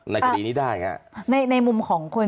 คดีนี้ได้ครับในมุมของคน